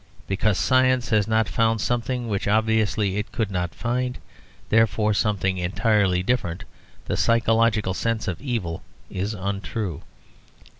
Because science has not found something which obviously it could not find, therefore something entirely different the psychological sense of evil is untrue.